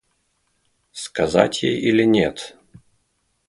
Сказать ей или нет?